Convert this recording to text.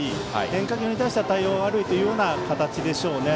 変化球に対しては対応が悪いという形でしょうね。